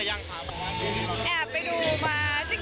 ยังไม่มีแผน